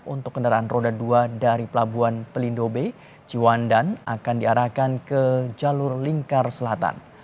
untuk kendaraan roda dua dari pelabuhan pelindo b ciwandan akan diarahkan ke jalur lingkar selatan